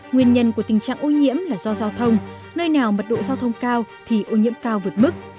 nguyên nhân của tình trạng ô nhiễm là do giao thông nơi nào mật độ giao thông cao thì ô nhiễm cao vượt mức